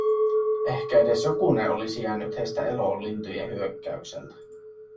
Ehkä edes jokunen olisi jäänyt heistä eloon lintujen hyökkäykseltä.